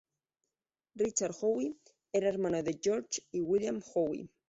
Richard Howe era hermano de George y William Howe.